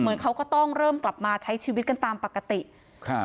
เหมือนเขาก็ต้องเริ่มกลับมาใช้ชีวิตกันตามปกติครับ